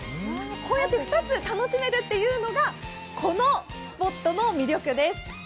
こうやって２つ楽しめるというのがこのスポットの魅力です。